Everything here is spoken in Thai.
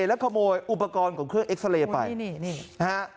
แล้วขโมยอุปกรณ์ของเครื่องเอ็กซาเลมา